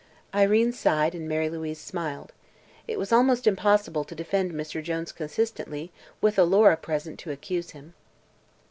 Irene sighed and Mary Louise smiled. It was almost impossible to defend Mr. Jones consistently, with Alora present to accuse him.